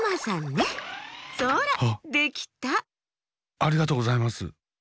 ありがとうございます。